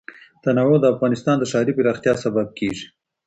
تنوع د افغانستان د ښاري پراختیا سبب کېږي.